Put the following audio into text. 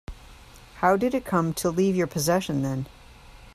How did it come to leave your possession then?